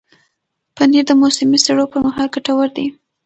پنېر د موسمي سړو پر مهال ګټور دی.